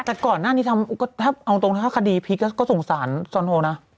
แต่ก่อนหน้านี้ถามตรงภาษาคดีภิกษ์ก็สงสารซัลโฮน่ะ